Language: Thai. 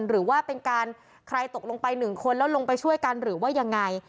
หรือว่าเป็นการใครตกลงไปหนึ่งคนแล้วลงไปช่วยกันหรือว่ายังไง